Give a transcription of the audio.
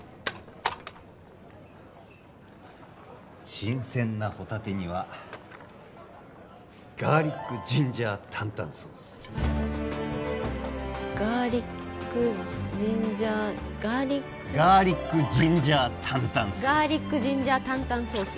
新鮮なホタテにはガーリック・ジンジャー・タンタンソースガーリック・ジンジャーガーリックガーリック・ジンジャー・タンタンソースガーリック・ジンジャー・タンタンソース